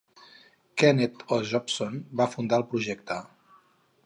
Kenneth O Jobson va fundar el projecte.